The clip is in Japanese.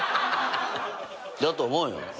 だと思うよ。